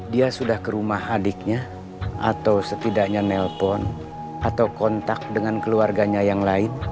dia sudah ke rumah adiknya atau setidaknya nelpon atau kontak dengan keluarganya yang lain